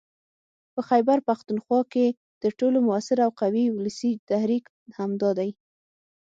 په خيبرپښتونخوا کې تر ټولو موثر او قوي ولسي تحريک همدا دی